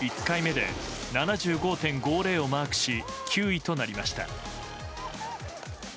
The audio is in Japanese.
１回目で７５．５０をマークし９位となりました。